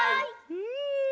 うん！